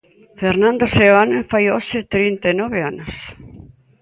Fernando Seoane fai hoxe trinta e nove anos.